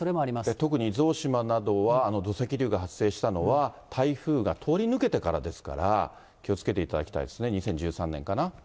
特に、伊豆大島などは土石流が発生したのは、台風が通り抜けてからですから、気をつけていただきたいですね、２０１３年かな。